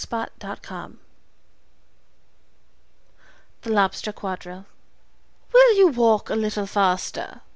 Lewis Carroll The Lobster Quadrille "WILL you walk a little faster?"